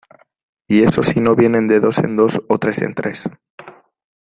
y eso si no vienen de dos en dos o tres en tres.